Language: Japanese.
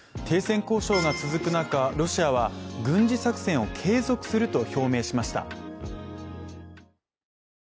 停戦交渉が続く中、ロシアは軍事作戦を継続すると表明しました。